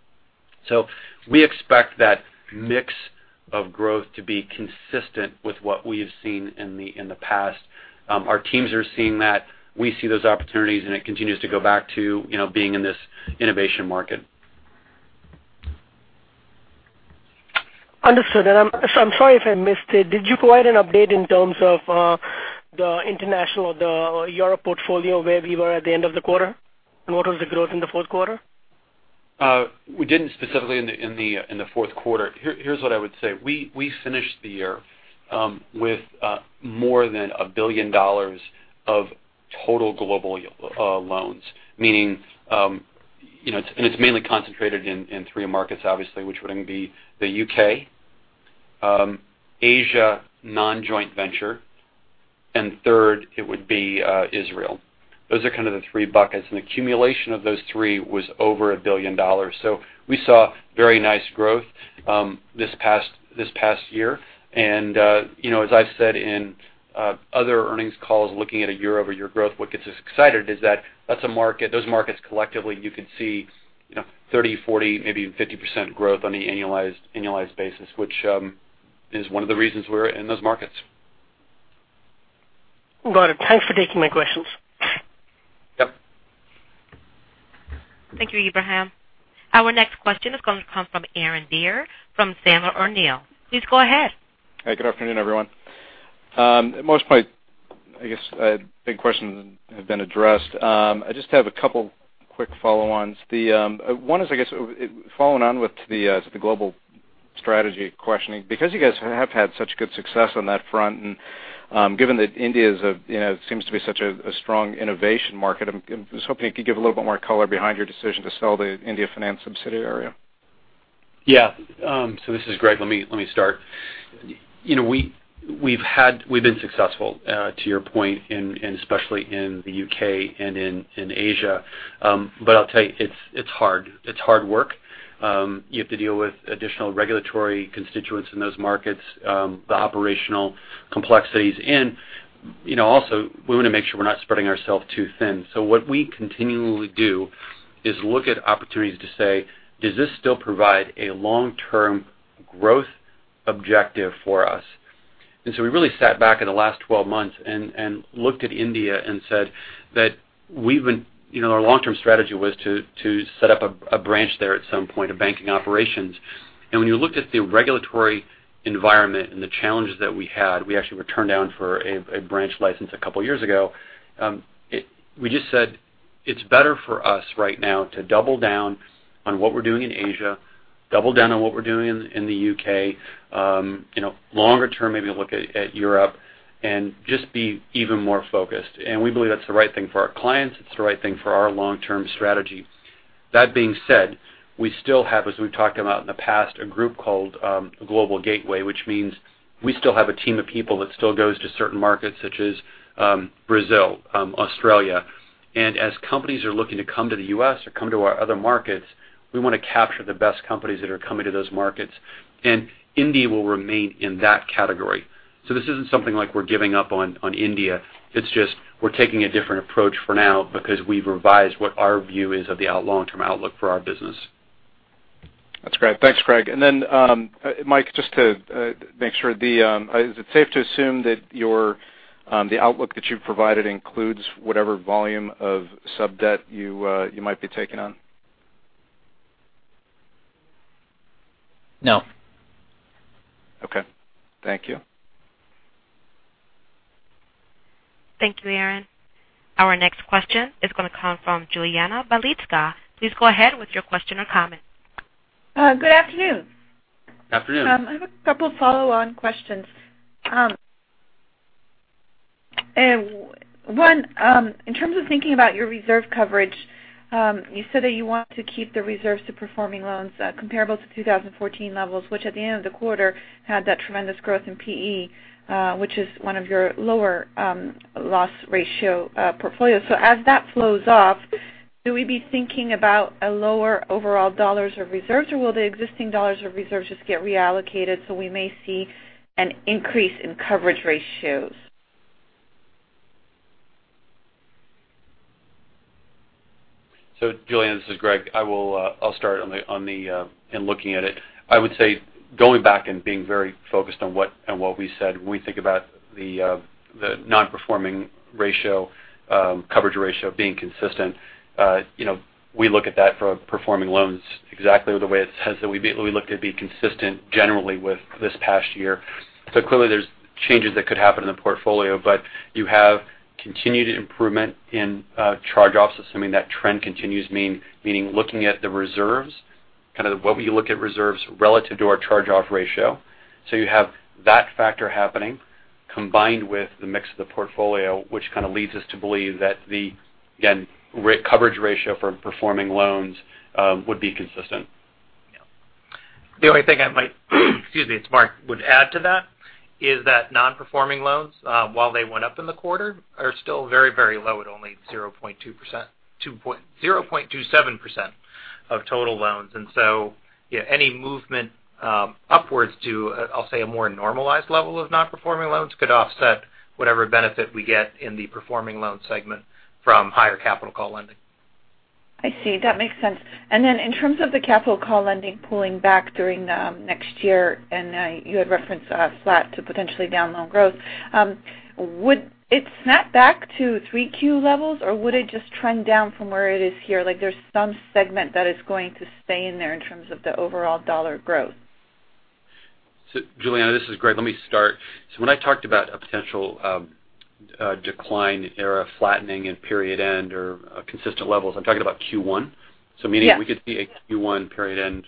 C: We expect that mix of growth to be consistent with what we have seen in the past. Our teams are seeing that. We see those opportunities, and it continues to go back to being in this innovation market.
K: Understood. I'm sorry if I missed it. Did you provide an update in terms of the international or the Europe portfolio where we were at the end of the quarter, what was the growth in the fourth quarter?
C: We didn't specifically in the fourth quarter. Here's what I would say. We finished the year with more than $1 billion of total global loans. Meaning, it's mainly concentrated in three markets, obviously, which would then be the U.K., Asia non-joint venture, and third, it would be Israel. Those are kind of the three buckets, and the accumulation of those three was over $1 billion. We saw very nice growth this past year. As I've said in other earnings calls, looking at a year-over-year growth, what gets us excited is that those markets collectively, you could see 30%, 40%, maybe 50% growth on the annualized basis, which is one of the reasons we're in those markets.
K: Got it. Thanks for taking my questions.
C: Yep.
A: Thank you, Ebrahim. Our next question is going to come from Aaron Deer from Sandler O'Neill. Please go ahead.
L: Hi, good afternoon, everyone. Most of my, I guess, big questions have been addressed. I just have a couple of quick follow-ons. One is, I guess, following on with the global strategy questioning. You guys have had such good success on that front, and given that India seems to be such a strong innovation market, I was hoping you could give a little bit more color behind your decision to sell the India finance subsidiary.
C: Yeah. This is Greg. Let me start. We've been successful, to your point, and especially in the U.K. and in Asia. I'll tell you, it's hard. It's hard work. You have to deal with additional regulatory constituents in those markets, the operational complexities, and also we want to make sure we're not spreading ourselves too thin. What we continually do is look at opportunities to say, "Does this still provide a long-term growth objective for us?" We really sat back in the last 12 months and looked at India and said that our long-term strategy was to set up a branch there at some point, a banking operations. When you looked at the regulatory environment and the challenges that we had, we actually were turned down for a branch license a couple of years ago. We just said it's better for us right now to double down on what we're doing in Asia, double down on what we're doing in the U.K. Longer term, maybe look at Europe and just be even more focused. We believe that's the right thing for our clients. It's the right thing for our long-term strategy. That being said, we still have, as we've talked about in the past, a group called Global Gateway, which means we still have a team of people that still goes to certain markets such as Brazil, Australia. As companies are looking to come to the U.S. or come to our other markets, we want to capture the best companies that are coming to those markets, and India will remain in that category. This isn't something like we're giving up on India, it's just we're taking a different approach for now because we've revised what our view is of the long-term outlook for our business.
L: That's great. Thanks, Greg. Mike, just to make sure. Is it safe to assume that the outlook that you've provided includes whatever volume of sub-debt you might be taking on?
D: No.
L: Okay. Thank you.
A: Thank you, Aaron. Our next question is going to come from Juliana Velitzka. Please go ahead with your question or comment.
M: Good afternoon.
C: Afternoon.
M: I have a couple of follow-on questions. One, in terms of thinking about your reserve coverage, you said that you want to keep the reserves to performing loans comparable to 2014 levels, which at the end of the quarter had that tremendous growth in PE, which is one of your lower loss ratio portfolios. As that flows off, should we be thinking about a lower overall dollars of reserves, or will the existing dollars of reserves just get reallocated so we may see an increase in coverage ratios?
C: Juliana, this is Greg. I'll start in looking at it. I would say going back and being very focused on what we said when we think about the non-performing ratio, coverage ratio being consistent. We look at that for performing loans exactly the way it has, that we looked at be consistent generally with this past year. Clearly there's changes that could happen in the portfolio, but you have continued improvement in charge-offs, assuming that trend continues, meaning looking at the reserves, kind of the way we look at reserves relative to our charge-off ratio. You have that factor happening combined with the mix of the portfolio, which kind of leads us to believe that the, again, coverage ratio for performing loans would be consistent.
F: Yeah. The only thing I might, excuse me, it is Marc, would add to that is that non-performing loans, while they went up in the quarter, are still very low at only 0.27% of total loans. Any movement upwards to, I will say, a more normalized level of non-performing loans could offset whatever benefit we get in the performing loan segment from higher capital call lending.
M: I see. That makes sense. In terms of the capital call lending pulling back during next year, and you had referenced flat to potentially down loan growth. Would it snap back to 3Q levels or would it just trend down from where it is here, like there is some segment that is going to stay in there in terms of the overall $ growth?
C: Juliana, this is Greg. Let me start. When I talked about a potential decline or a flattening in period end or consistent levels, I am talking about Q1.
M: Yes.
C: Meaning we could see a Q1 period end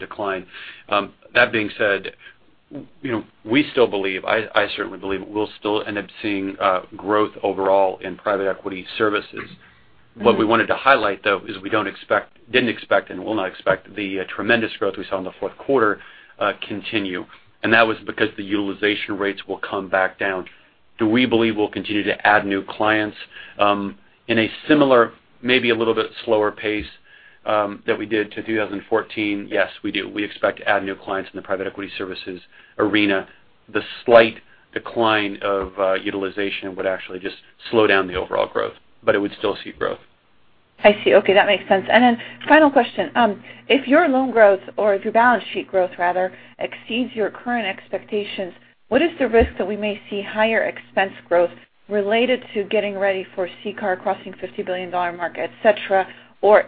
C: decline. That being said, we still believe, I certainly believe we will still end up seeing growth overall in private equity services. What we wanted to highlight, though, is we didn't expect and will not expect the tremendous growth we saw in the fourth quarter continue, and that was because the utilization rates will come back down. Do we believe we'll continue to add new clients in a similar, maybe a little bit slower pace, that we did to 2014? Yes, we do. We expect to add new clients in the private equity services arena. The slight decline of utilization would actually just slow down the overall growth, but it would still see growth.
M: I see. Okay, that makes sense. Final question. If your loan growth or if your balance sheet growth rather exceeds your current expectations, what is the risk that we may see higher expense growth related to getting ready for CCAR crossing $50 billion market, et cetera?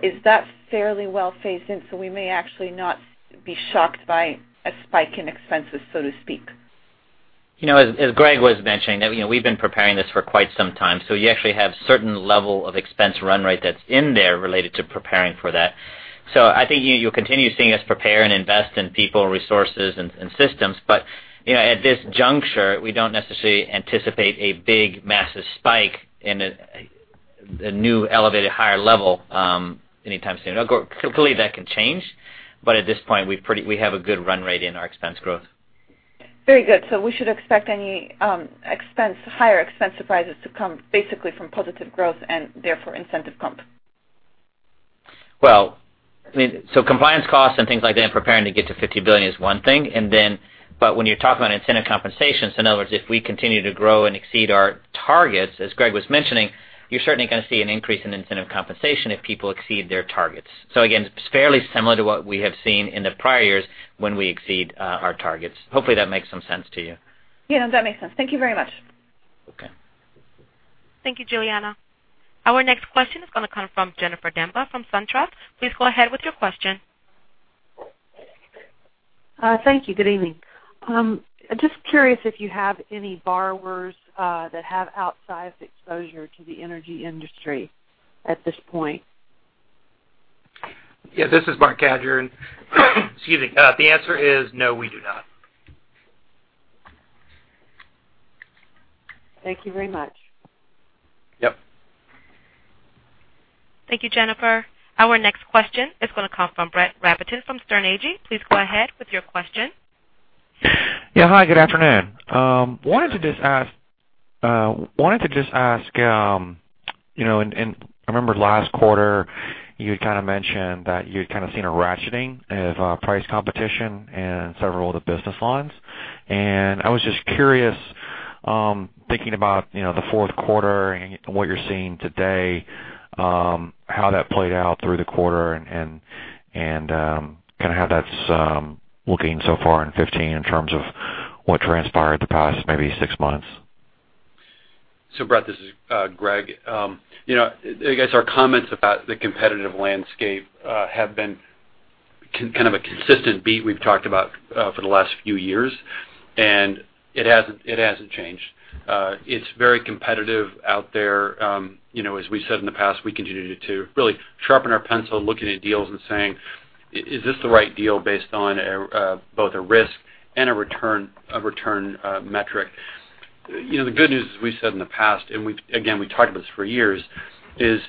M: Is that fairly well phased in, so we may actually not be shocked by a spike in expenses, so to speak?
D: As Greg was mentioning, we've been preparing this for quite some time. You actually have certain level of expense run rate that's in there related to preparing for that. I think you'll continue seeing us prepare and invest in people, resources, and systems. At this juncture, we don't necessarily anticipate a big massive spike in the new elevated higher level, anytime soon. Clearly, that can change, but at this point, we have a good run rate in our expense growth.
M: Very good. We should expect any higher expense surprises to come basically from positive growth and therefore incentive comp.
D: Well, compliance costs and things like that and preparing to get to $50 billion is one thing. But when you're talking about incentive compensations, in other words, if we continue to grow and exceed our targets, as Greg was mentioning, you are certainly going to see an increase in incentive compensation if people exceed their targets. Again, it is fairly similar to what we have seen in the prior years when we exceed our targets. Hopefully, that makes some sense to you.
M: Yeah, that makes sense. Thank you very much.
D: Okay.
A: Thank you, Juliana. Our next question is going to come from Jennifer Demba from SunTrust. Please go ahead with your question.
N: Thank you. Good evening. Just curious if you have any borrowers that have outsized exposure to the energy industry at this point.
F: Yeah, this is Marc Cadieux. Excuse me. The answer is no, we do not.
N: Thank you very much.
F: Yep.
A: Thank you, Jennifer. Our next question is going to come from Brett Rabatin from Sterne Agee. Please go ahead with your question.
O: Yeah, hi, good afternoon. Wanted to just ask, and I remember last quarter you had kind of mentioned that you had kind of seen a ratcheting of price competition in several of the business lines. I was just curious, thinking about the fourth quarter and what you're seeing today, how that played out through the quarter and kind of how that's looking so far in 2015 in terms of what transpired the past maybe six months.
C: Brett, this is Greg. I guess our comments about the competitive landscape have been kind of a consistent beat we've talked about for the last few years, and it hasn't changed. It's very competitive out there. As we said in the past, we continue to really sharpen our pencil looking at deals and saying, "Is this the right deal based on both a risk and a return metric?" The good news, as we said in the past, and again, we've talked about this for years, is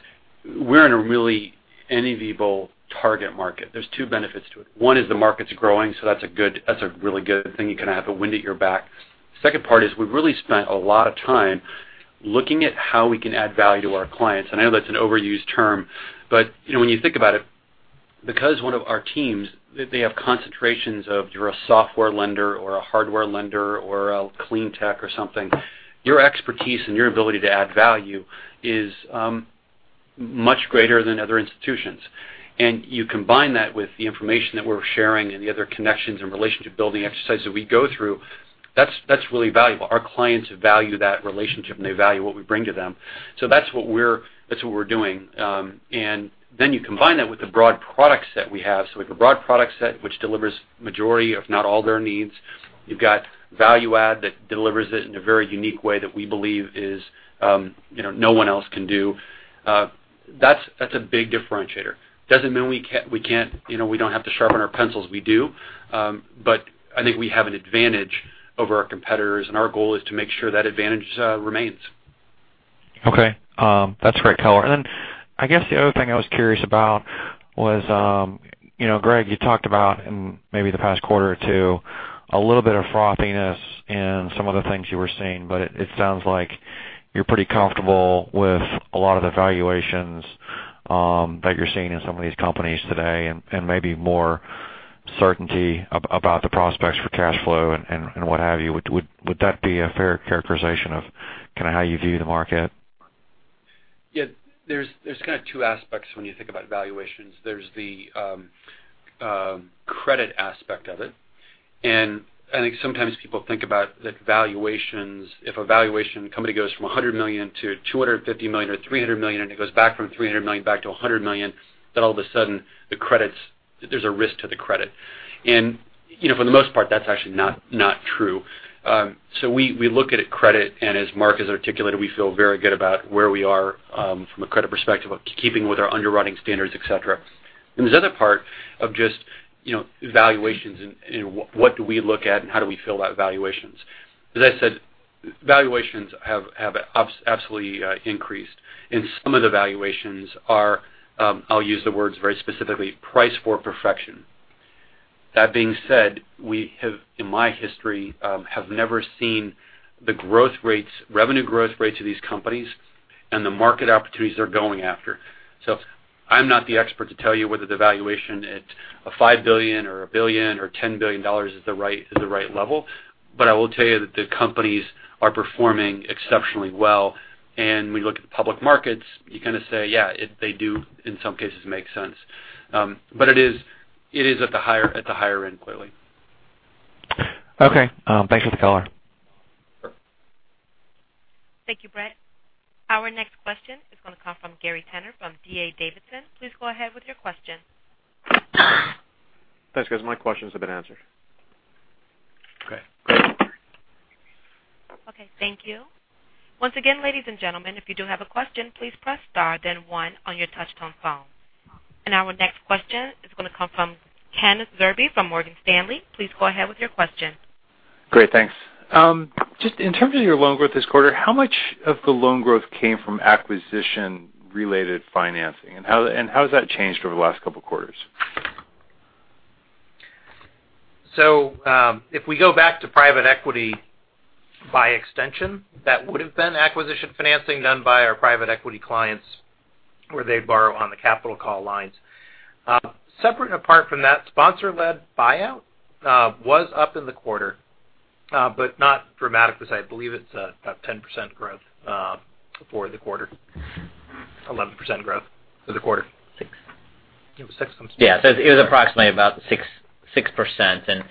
C: we're in a really enviable target market. There's two benefits to it. One is the market's growing. That's a really good thing. You kind of have the wind at your back. Second part is we've really spent a lot of time looking at how we can add value to our clients. I know that's an overused term, but when you think about it, because one of our teams, they have concentrations of, you're a software lender or a hardware lender or a clean tech or something. Your expertise and your ability to add value is much greater than other institutions. You combine that with the information that we're sharing and the other connections and relationship-building exercises that we go through. That's really valuable. Our clients value that relationship, and they value what we bring to them. That's what we're doing. You combine that with the broad product set we have. We have a broad product set which delivers majority, if not all their needs. You've got value add that delivers it in a very unique way that we believe no one else can do. That's a big differentiator. Doesn't mean we don't have to sharpen our pencils, we do. I think we have an advantage over our competitors, and our goal is to make sure that advantage remains.
O: Okay. That's a great color. I guess the other thing I was curious about was, Greg, you talked about in maybe the past quarter or two, a little bit of frothiness in some of the things you were seeing, it sounds like you're pretty comfortable with a lot of the valuations that you're seeing in some of these companies today and maybe more certainty about the prospects for cash flow and what have you. Would that be a fair characterization of how you view the market?
C: There's kind of two aspects when you think about valuations. There's the credit aspect of it and I think sometimes people think about the valuations. If a valuation company goes from $100 million to $250 million or $300 million, and it goes back from $300 million back to $100 million, all of a sudden, there's a risk to the credit. For the most part, that's actually not true. We look at a credit, and as Marc has articulated, we feel very good about where we are from a credit perspective of keeping with our underwriting standards, et cetera. There's the other part of just valuations and what do we look at and how do we feel about valuations. As I said, valuations have absolutely increased, and some of the valuations are, I'll use the words very specifically, priced for perfection. That being said, we have, in my history, never seen the revenue growth rates of these companies and the market opportunities they're going after. I'm not the expert to tell you whether the valuation at a $5 billion or a $1 billion or $10 billion is the right level. I will tell you that the companies are performing exceptionally well. When you look at the public markets, you kind of say, "Yeah, they do, in some cases, make sense." It is at the higher end, clearly.
O: Okay. Thanks for the color.
A: Thank you, Brett. Our next question is going to come from Gary Tanner from D.A. Davidson. Please go ahead with your question.
P: Thanks, guys. My questions have been answered.
C: Okay.
A: Okay, thank you. Once again, ladies and gentlemen, if you do have a question, please press star then one on your touch-tone phone. Our next question is going to come from Kenneth Zerbe from Morgan Stanley. Please go ahead with your question.
Q: Great, thanks. Just in terms of your loan growth this quarter, how much of the loan growth came from acquisition-related financing, and how has that changed over the last couple of quarters?
F: If we go back to private equity by extension, that would have been acquisition financing done by our private equity clients where they borrow on the capital call lines. Separate and apart from that, sponsor-led buyout was up in the quarter but not dramatically. I believe it's about 10% growth for the quarter. 11% growth for the quarter.
D: Six. It was six. Yeah. It was approximately about 6%.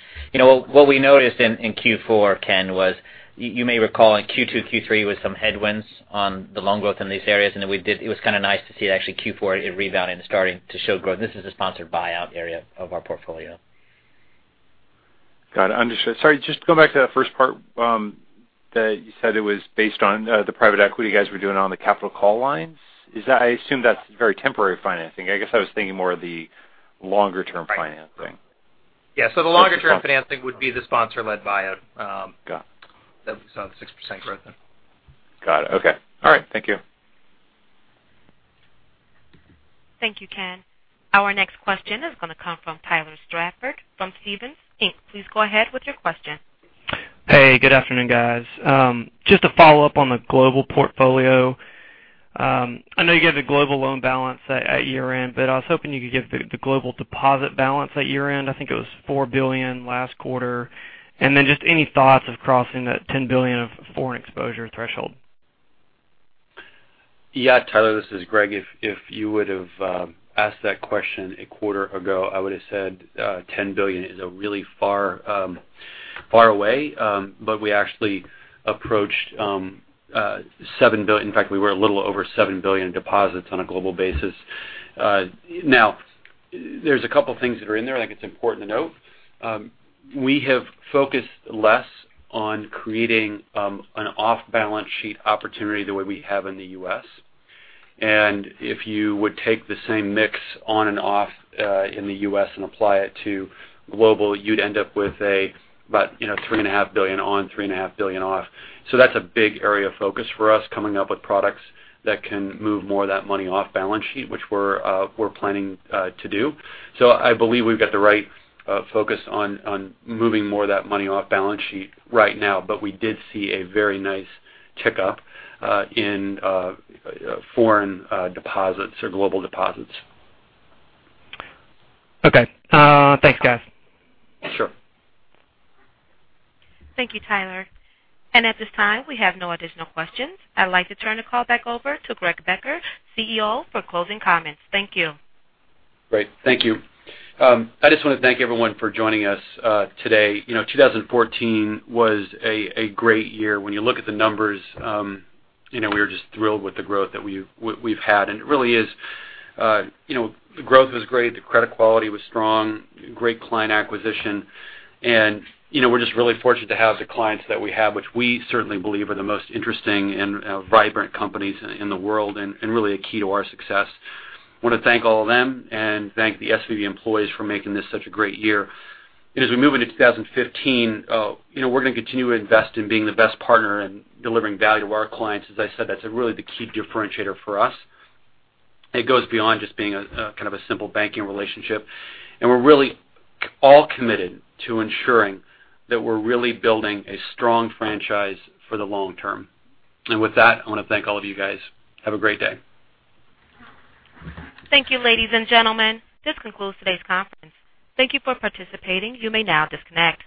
D: What we noticed in Q4, Ken, was you may recall in Q2, Q3 with some headwinds on the loan growth in these areas, and it was kind of nice to see actually Q4 it rebounding and starting to show growth. This is the sponsored buyout area of our portfolio.
Q: Got it. Sorry, just going back to that first part, that you said it was based on the private equity guys were doing it on the capital call lines. I assume that's very temporary financing. I guess I was thinking more of the longer-term financing.
F: Yeah. The longer-term financing would be the sponsor-led buyout.
Q: Got it.
F: That we saw the 6% growth in.
Q: Got it. Okay. All right. Thank you.
A: Thank you, Ken. Our next question is going to come from Tyler Stratford from Stephens Inc. Please go ahead with your question.
R: Hey, good afternoon, guys. Just to follow up on the global portfolio. I know you gave the global loan balance at year-end. I was hoping you could give the global deposit balance at year-end. I think it was $4 billion last quarter. Just any thoughts of crossing that $10 billion of foreign exposure threshold.
C: Yeah, Tyler, this is Greg. If you would have asked that question a quarter ago, I would have said $10 billion is really far away. We actually approached $7 billion. In fact, we were a little over $7 billion deposits on a global basis. There's a couple things that are in there I think it's important to note. We have focused less on creating an off-balance sheet opportunity the way we have in the U.S. If you would take the same mix on and off in the U.S. and apply it to global, you'd end up with about $3.5 billion on, $3.5 billion off. That's a big area of focus for us, coming up with products that can move more of that money off balance sheet, which we're planning to do. I believe we've got the right focus on moving more of that money off balance sheet right now. We did see a very nice tick up in foreign deposits or global deposits.
R: Okay. Thanks, guys.
C: Sure.
A: Thank you, Tyler. At this time, we have no additional questions. I'd like to turn the call back over to Greg Becker, CEO, for closing comments. Thank you.
C: Great. Thank you. I just want to thank everyone for joining us today. 2014 was a great year. When you look at the numbers, we were just thrilled with the growth that we've had. The growth was great. The credit quality was strong, great client acquisition. We're just really fortunate to have the clients that we have, which we certainly believe are the most interesting and vibrant companies in the world and really a key to our success. Want to thank all of them and thank the SVB employees for making this such a great year. As we move into 2015, we're going to continue to invest in being the best partner and delivering value to our clients. As I said, that's really the key differentiator for us. It goes beyond just being kind of a simple banking relationship. We're really all committed to ensuring that we're really building a strong franchise for the long term. With that, I want to thank all of you guys. Have a great day.
A: Thank you, ladies and gentlemen. This concludes today's conference. Thank you for participating. You may now disconnect.